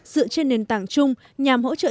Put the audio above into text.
dựa trên nền tảng chung nhằm hỗ trợ